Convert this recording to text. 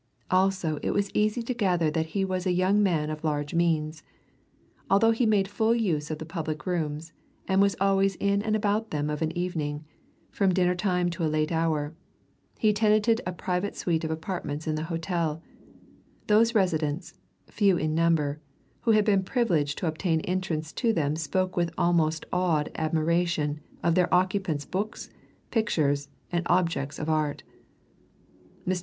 Also it was easy to gather that he was a young man of large means. Although he made full use of the public rooms, and was always in and about them of an evening, from dinner time to a late hour, he tenanted a private suite of apartments in the hotel those residents, few in number, who had been privileged to obtain entrance to them spoke with almost awed admiration of their occupant's books, pictures, and objects of art. Mr.